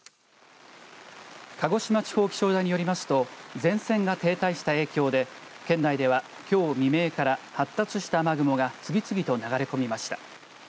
鹿児島地方気象台によりますと前線が停滞した影響で県内ではきょう未明から発達した雨雲が次々と流れ込みました。